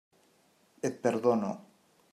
Et perdono.